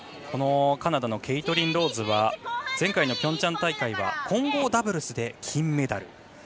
カナダのケイトリン・ローズは前回のピョンチャン大会は混合ダブルスで金メダル。